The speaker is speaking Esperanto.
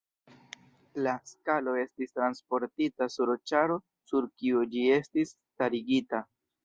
La skalo estis transportita sur ĉaro sur kiu ĝi estis starigita.